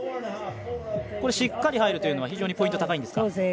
しっかり入るというのは非常にポイント高いんですか。